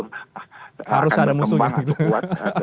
harus ada musuhnya